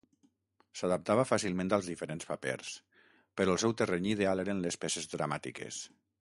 S'adaptava fàcilment als diferents papers, però el seu terreny ideal eren les peces dramàtiques.